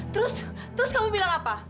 terus terus kamu bilang apa